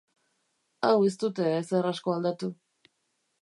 Hau ez dute ezer asko aldatu.